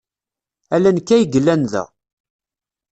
Ala nekk ay yellan da.